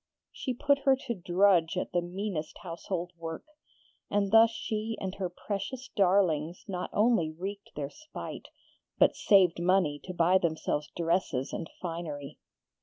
She put her to drudge at the meanest household work, and thus she and her precious darlings not only wreaked their spite but saved money to buy themselves dresses and finery.